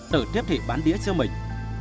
tự tiếp thị bán đĩa cho mình